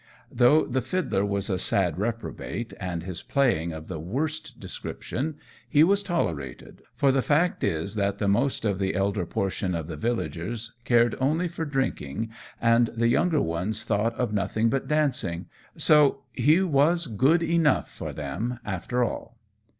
Though the fiddler was a sad reprobate, and his playing of the worst description, he was tolerated; for the fact is that the most of the elder portion of the villagers cared only for drinking, and the younger ones thought of nothing but dancing; so he was good enough for them after all.